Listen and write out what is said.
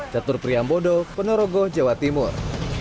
jatuh priam bodo penerogoh jawa timur